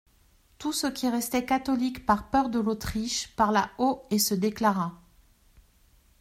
Tout ce qui restait catholique par peur de l'Autriche parla haut et se déclara.